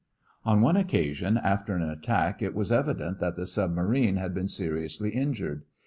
On one occasion after an attack it was evident that the submarine had been seriously injured.